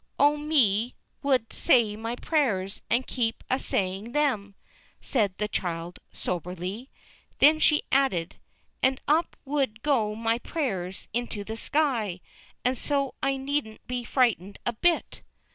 "Oh, me would say my prayers, and keep a sayin' them," said the child, soberly, then she added, "and up would go my prayers into the sky, and so I needn't be frightened a bit."